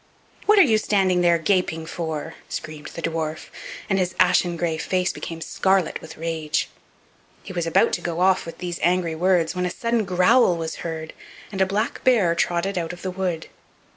"What are you standing there gaping for?" screamed the dwarf, and his ashen gray face became scarlet with rage. He was about to go off with these angry words when a sudden growl was heard, and a black bear trotted out of the wood.